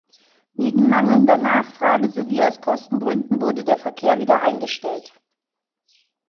Wegen mangelnder Nachfrage sowie aus Kostengründen wurde der Verkehr wieder eingestellt.